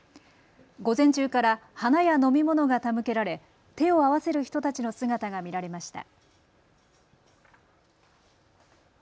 午前中から花や飲み物が手向けられ手を合わせる人たちの姿が見られました。